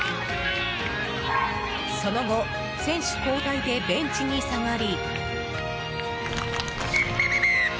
その後、選手交代でベンチに下がり。